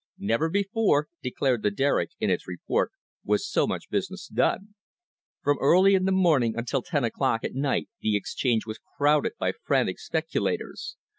"Never before," declared the Derrick in its report, "was so much business done. From early in the morning until ten o'clock at night the exchange was crowded by frantic speculators.